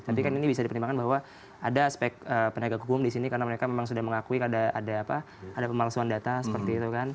tapi kan ini bisa dipertimbangkan bahwa ada aspek penegak hukum di sini karena mereka memang sudah mengakui ada pemalsuan data seperti itu kan